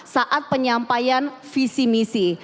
saat penyampaian visi misi